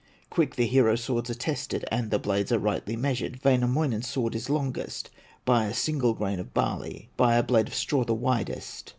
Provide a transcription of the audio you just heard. Quick the hero swords are tested, And the blades are rightly measured Wainamoinen's sword is longest By a single grain of barley, By a blade of straw, the widest.